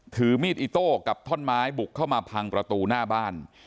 ถือมีดอิโต้กับท่อนไม้บุกเข้ามาพังประตูหน้าบ้าน